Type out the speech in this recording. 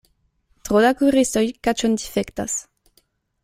Tro da kuiristoj kaĉon difektas.